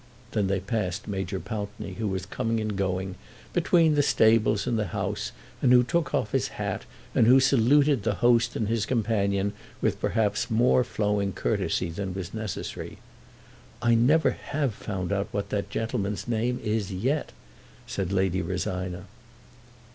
They then passed Major Pountney, who was coming and going between the stables and the house, and who took off his hat and who saluted the host and his companion with perhaps more flowing courtesy than was necessary. "I never have found out what that gentleman's name is yet," said Lady Rosina.